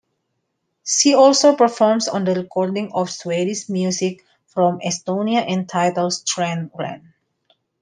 She also performs on a recording of Swedish music from Estonia entitled "Strand...Rand".